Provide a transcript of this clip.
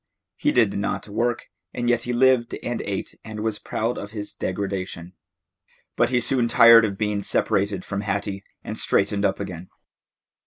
He did not work, and yet he lived and ate and was proud of his degradation. But he soon tired of being separated from Hattie, and straightened up again.